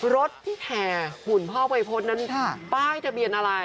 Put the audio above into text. รถที่แห่หุ่นพ่อวัยพฤษนั้นป้ายทะเบียนอะไร